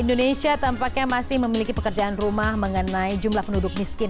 indonesia tampaknya masih memiliki pekerjaan rumah mengenai jumlah penduduk miskin